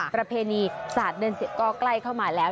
ประเพณีสาดเดินเกาะใกล้เข้ามาแล้ว